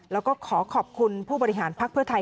แล้วก็ขอขอบคุณผู้บริหารภักดิ์เพื่อไทย